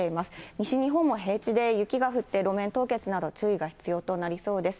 西日本も平地で雪が降って、路面凍結など注意が必要となりそうです。